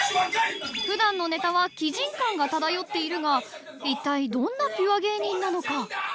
［普段のネタは奇人感が漂っているがいったいどんなピュア芸人なのか？］